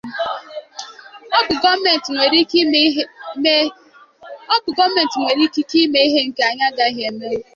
ọ bụ gọọmentị nwere ikike ime nke anyị agaghị emenwu